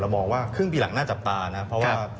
เรามองว่าครึ่งปีหลังน่าจับตานะครับ